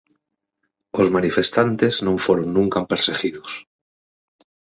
Os manifestantes non foron nunca perseguidos.